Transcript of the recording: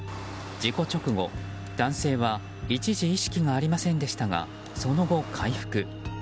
事故直後、男性は一時意識がありませんでしたがその後、回復。